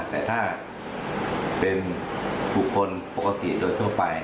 แต่ถ้าเป็นบุคคลปกติโดยทั่วไป